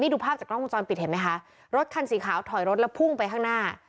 ดูภาพจากกล้องวงจรปิดเห็นไหมคะรถคันสีขาวถอยรถแล้วพุ่งไปข้างหน้า